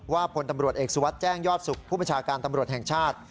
พลตำรวจเอกสุวัสดิ์แจ้งยอดสุขผู้บัญชาการตำรวจแห่งชาติ